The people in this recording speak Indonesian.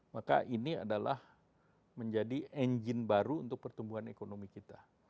maka ini adalah menjadi engine baru untuk pertumbuhan ekonomi kita